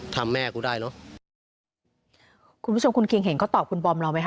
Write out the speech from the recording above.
แม่กูได้เนอะคุณผู้ชมคุณคิงเห็นเขาตอบคุณบอมเราไหมค